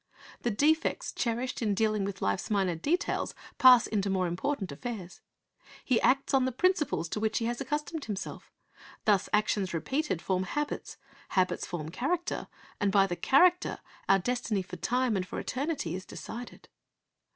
The defects cherished in dealing with life's minor details pass into more important affairs. He acts on the principles to which he has accustomed himself Thus actions repeated form habits, habits form character, and by the character our destiny for time and for eternity is decided.